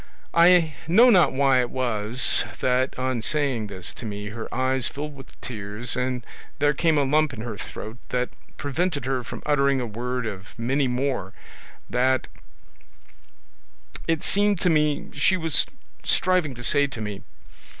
I know not why it was that on saying this to me her eyes filled with tears, and there came a lump in her throat that prevented her from uttering a word of many more that it seemed to me she was striving to say to me.